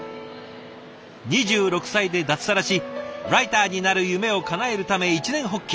２６歳で脱サラしライターになる夢をかなえるため一念発起。